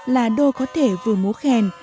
là đô có thể vừa múa khen